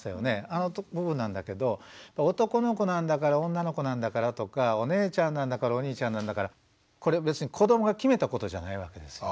あの部分なんだけど男の子なんだから女の子なんだからとかお姉ちゃんなんだからお兄ちゃんなんだからこれ別に子どもが決めたことじゃないわけですよ。